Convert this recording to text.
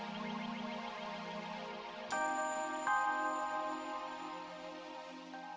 ya dia masih di sini dong masih yelah